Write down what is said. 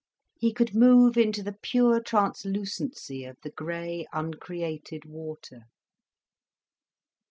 He could move into the pure translucency of the grey, uncreated water.